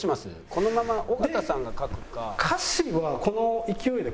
このまま尾形さんが書くか」。